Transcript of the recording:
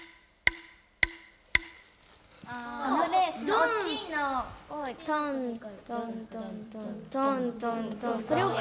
大きいのをトントントントントントントン。